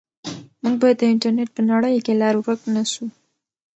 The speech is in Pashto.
موږ باید د انټرنیټ په نړۍ کې لار ورک نه سو.